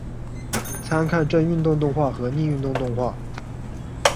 参看正运动动画和逆运动动画。